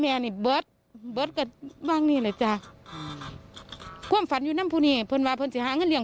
มีบทของเค้าไม่เคยเงื่อมีที่สูง